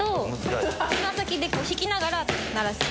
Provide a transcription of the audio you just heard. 爪先で引きながら鳴らす。